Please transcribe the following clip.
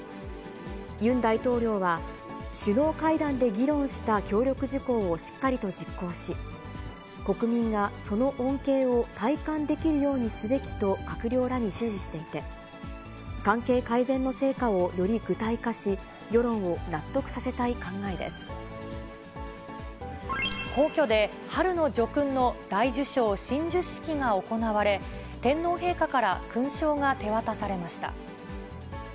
ユン大統領は、首脳会談で議論した協力事項をしっかりと実行し、国民がその恩恵を体感できるようにすべきと閣僚らに指示していて、関係改善の成果をより具体化し、皇居で、春の叙勲の大綬章親授式が行われ、天皇陛下から勲章が手渡されました。